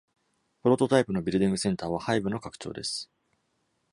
プロトタイプのビルディングセンターは、Hive の拡張です。